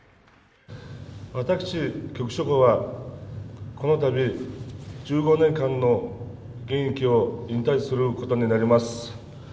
私、旭秀鵬はこのたび１５年間の現役を引退することになります。